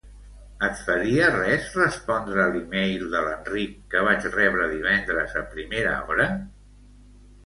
Et faria res respondre l'e-mail de l'Enric que vaig rebre divendres a primera hora?